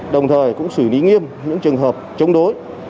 đồng thời cũng xử lý nghiêm những trường hợp chống đối